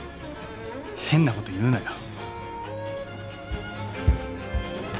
変なこと言うなよ。